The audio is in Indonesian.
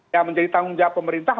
yang menjadi tanggung jawab pemerintah